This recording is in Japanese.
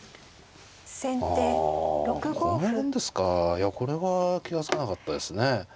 いやこれは気が付かなかったですね。